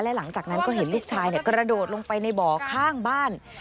และหลังจากนั้นก็เห็นลูกชายกระโดดลงไปในบ่อข้างบ้าน